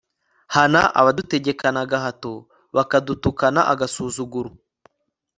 hana abadutegekana agahato, bakadutukana agasuzuguro